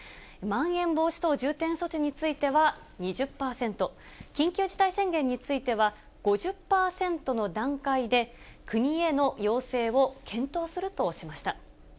まん延防止等重点措置については２０％、緊急事態宣言については、５０％の段階で、国への要請を検討するとしました。